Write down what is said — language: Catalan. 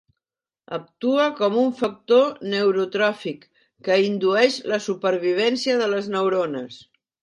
Actua com un factor neurotròfic, que indueix la supervivència de les neurones.